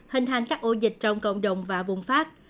hình thành các ô dịch trong cộng đồng và bùng phát